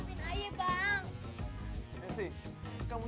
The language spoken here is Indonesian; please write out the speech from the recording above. itu jatuh lagi tuh